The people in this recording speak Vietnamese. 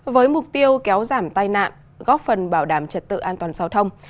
với mục tiêu kéo giảm tai nạn góp phần bảo đảm trật tự an toàn giao thông